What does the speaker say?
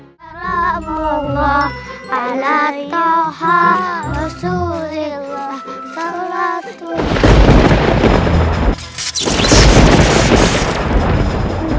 assalamualaikum warahmatullahi wabarakatuh